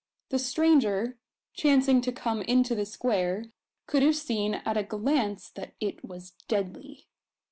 The stranger, chancing to come into the square, could have seen at a glance that it was deadly.